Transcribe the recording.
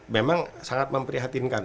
memang sangat memprihatinkan